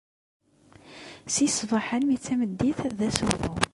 Si ṣṣbaḥ almi d tameddit d asuɣu.